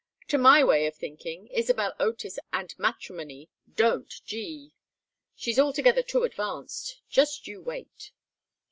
"To my way of thinking, Isabel Otis and matrimony don't gee. She's altogether too advanced. Just you wait."